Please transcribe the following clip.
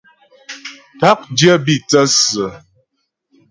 Ták dyə́ bî thə́sə ə.